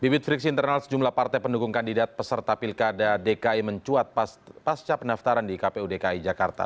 bibit friksi internal sejumlah partai pendukung kandidat peserta pilkada dki mencuat pasca pendaftaran di kpu dki jakarta